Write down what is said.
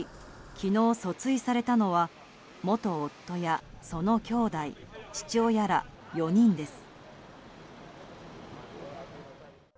昨日、訴追されたのは元夫やそのきょうだい、父親ら４人です。